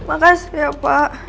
makasih ya paham